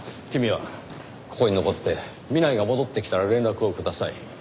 君はここに残って南井が戻ってきたら連絡をください。